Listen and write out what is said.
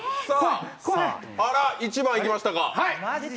あらっ、１番いきましたか。